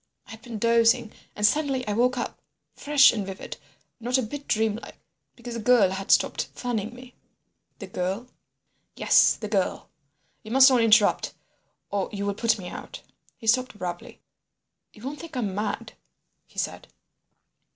I had been dozing, and suddenly I woke up—fresh and vivid—not a bit dreamlike—because the girl had stopped fanning me." "The girl?" "Yes, the girl. You must not interrupt or you will put me out." He stopped abruptly. "You won't think I'm mad?" he said.